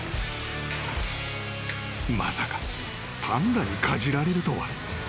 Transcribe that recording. ［まさかパンダにかじられるとは］